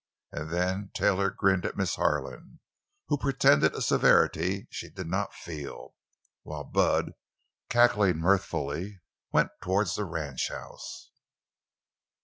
And then Taylor grinned at Miss Harlan—who pretended a severity she did not feel; while Bud, cackling mirthfully, went toward the ranchhouse.